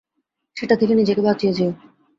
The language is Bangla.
সেটা থেকে নিজেকে বাঁচিয়ে যেও।